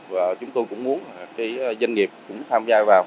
và chúng tôi cũng muốn cái doanh nghiệp cũng tham gia vào